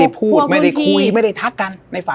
ไม่ได้พูดไม่ได้คุยไม่ได้ทักกันในฟัน